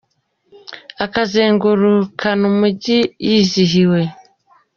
akazengurukana umujyi, yizihiwe.